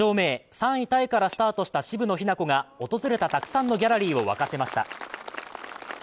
３位タイからスタートした渋野日向子が訪れたたくさんのギャラリーを沸かせました。